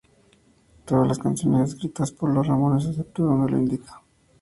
Todas las canciones escritas por los Ramones excepto donde lo indica.